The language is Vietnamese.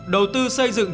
đầu tư xây dựng